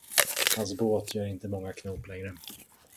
Hans båt gör inte många knop längre.